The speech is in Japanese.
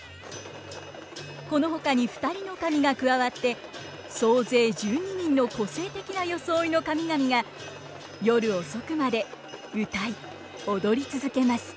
このほかに２人の神が加わって総勢１２人の個性的な装いの神々が夜遅くまで歌い踊り続けます。